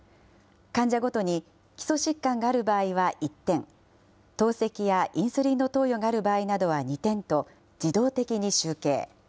患者ごとに、基礎疾患がある場合は１点、透析やインスリンの投与がある場合などは２点と、自動的に集計。